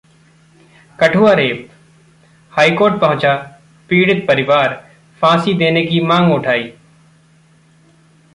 Kathua rape: high court पहुंचा पीड़ित परिवार, फांसी देने की मांग उठाई